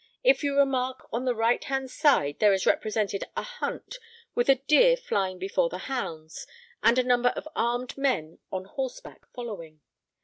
If you remark, on the right hand side there is represented a hunt, with the deer flying before the hounds, and a number of armed men on horseback following.